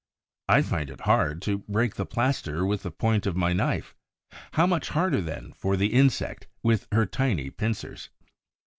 I find it hard to break the plaster with the point of my knife. How much harder, then, for the insect, with her tiny pincers!